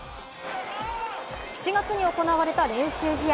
７月に行われた練習試合。